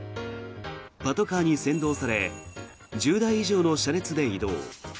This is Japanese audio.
パトカーに先導され１０台以上の車列で移動。